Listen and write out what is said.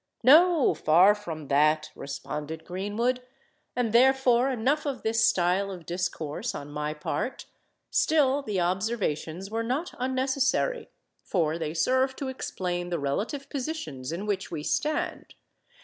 "No—far from that!" responded Greenwood. "And therefore enough of this style of discourse on my part. Still the observations were not unnecessary; for they serve to explain the relative positions in which we stand.